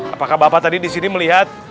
apakah bapak tadi disini melihat